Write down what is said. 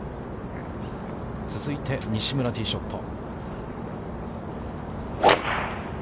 続いて西村、ティーショット。